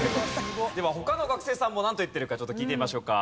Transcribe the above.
では他の学生さんもなんと言っているかちょっと聞いてみましょうか。